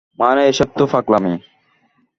মানে, এসব তো পাগলামি।